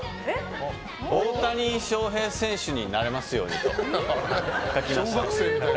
大谷翔平選手になれますようにと小学生みたい。